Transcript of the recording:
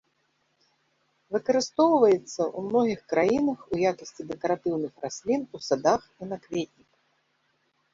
Выкарыстоўваецца ў многіх краінах у якасці дэкаратыўных раслін у садах і на кветніках.